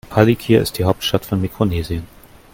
Palikir ist die Hauptstadt von Mikronesien.